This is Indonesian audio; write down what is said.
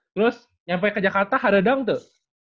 terus nyampe ke jakarta hardang tuh